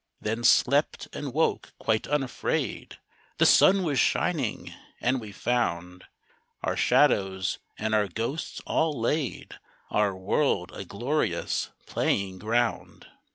Then slept, and woke quite unafraid. The sun was shining, and we found Our shadows and our ghosts all laid, Our world a glorious playing ground.